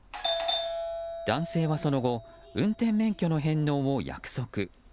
男性は、その後運転免許の返納を約束。